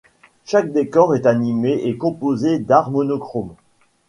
Chaque décor est animé et composé d’art monochrome.